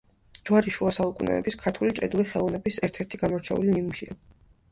ჯვარი შუა საუკუნეების ქართული ჭედური ხელოვნების ერთ-ერთი გამორჩეული ნიმუშია.